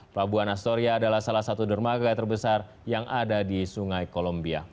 pelabuhan astoria adalah salah satu dermaga terbesar yang ada di sungai kolombia